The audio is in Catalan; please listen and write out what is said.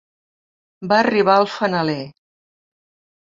Va arribar el fanaler.